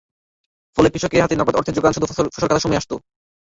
ফলে, কৃষকের হাতে নগদ অর্থের জোগান শুধু ফসল কাটার সময়েই আসত।